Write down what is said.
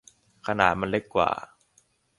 ขนาดมันเล็กกว่า